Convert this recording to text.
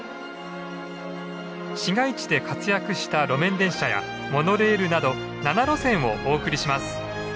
市街地で活躍した路面電車やモノレールなど７路線をお送りします。